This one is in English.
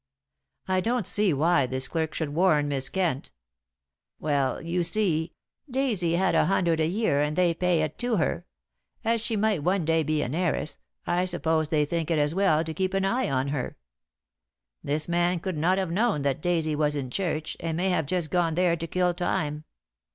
"I don't see why this clerk should warn Miss Kent." "Well, you see, Daisy had a hundred a year, and they pay it to her. As she might one day be an heiress, I suppose they think it as well to keep an eye on her. This man could not have known that Daisy was in church, and may have just gone there to kill time.